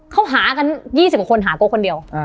เขาหากัน๒๐คนหากบ๊วยคนเดียว